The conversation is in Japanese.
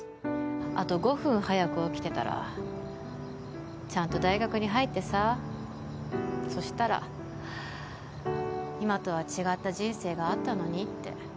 あと５分早く起きてたら、ちゃんと大学に入ってさそしたら、今とは違った人生があったのにって。